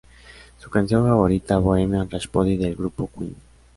Su canción favorita Bohemian Rhapsody del grupo Queen.